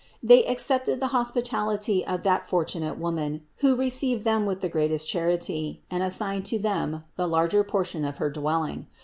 They accepted the hospitality of that fortunate woman, who received them with the greatest charity and assigned to them the larger portion of her dwelling.